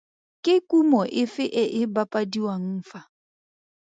Ke kumo efe e e bapadiwang fa?